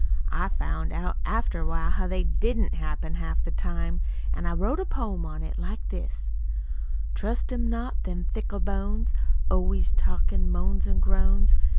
I found out, after awhile, how they DIDN'T happen half the time, an' I wrote a poem on it, like this: Trust 'em not, them fickle bones, Always talkin' moans an' groans.